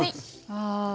あ。